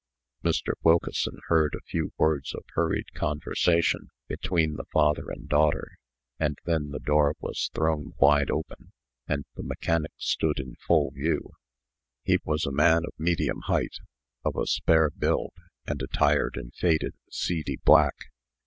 Mr. Wilkeson heard a few words of hurried conversation between the father and daughter, and then the door was thrown wide open, and the mechanic stood in full view. He was a man of medium height, of a spare build, and attired in faded, seedy black.